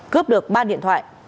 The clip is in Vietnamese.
cướp được ba điện thoại